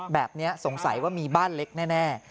แบบนี้สงสัยว่ามีบ้านเล็กแน่